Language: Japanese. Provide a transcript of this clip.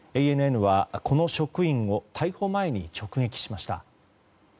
ＡＮＮはこの職員を逮捕前に直撃しました。